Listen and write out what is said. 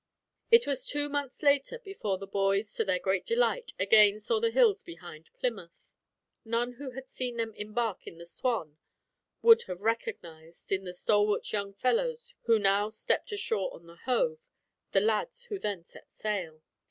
It was two months later before the boys, to their great delight, again saw the hills behind Plymouth. None who had seen them embark in the Swanne would have recognized, in the stalwart young fellows who now stepped ashore on the hove, the lads who then set sail.